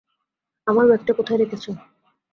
আমার ব্যাগটা কোথায় রেখেছো?